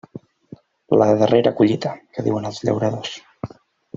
La «darrera collita» que diuen els llauradors.